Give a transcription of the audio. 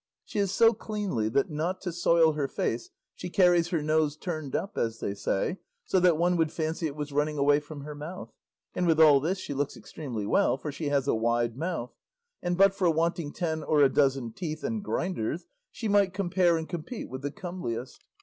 She is so cleanly that not to soil her face she carries her nose turned up, as they say, so that one would fancy it was running away from her mouth; and with all this she looks extremely well, for she has a wide mouth; and but for wanting ten or a dozen teeth and grinders she might compare and compete with the comeliest.